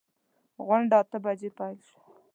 غونډه اته بجې پیل شوه.